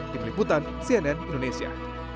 di peliputan cnn indonesia